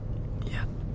いや。